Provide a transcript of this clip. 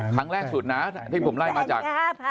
ครั้งแรกสุดนะที่ผมไล่มาจาก